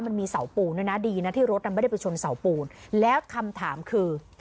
มันมีเสาปูนด้วยนะดีนะที่รถน่ะไม่ได้ไปชนเสาปูนแล้วคำถามคือ